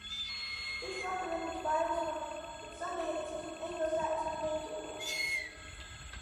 This supplement inspires from Sunday editions from Anglo-Saxons main journals.